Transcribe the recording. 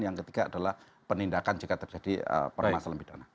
yang ketiga adalah penindakan jika terjadi permasalahan pidana